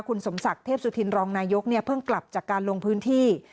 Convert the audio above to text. คุณสมศักดิ์เทพสุธินรองนายกเนี่ยเพิ่งกลับจากการลงพื้นที่